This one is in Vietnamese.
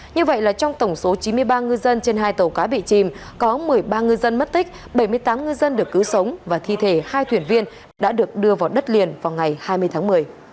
như vậy là trong tổng số chín mươi ba ngư dân trên hai tàu cá bị chìm có một mươi ba ngư dân mất tích bảy mươi tám ngư dân được cứu sống và thi thể hai thuyền viên đã được đưa vào đất liền vào ngày hai mươi tháng một mươi